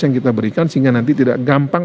yang kita berikan sehingga nanti tidak gampang